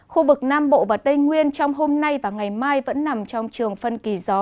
khu vực nam bộ và tây nguyên trong hôm nay và ngày mai vẫn nằm trong trường phân kỳ gió